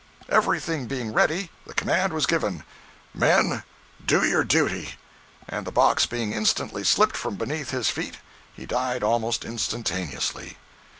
Everything being ready, the command was given, "Men, do your duty," and the box being instantly slipped from beneath his feet, he died almost instantaneously.